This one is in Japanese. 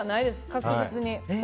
確実に。